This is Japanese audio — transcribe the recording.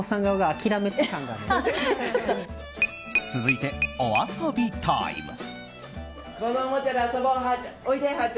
続いて、お遊びタイム。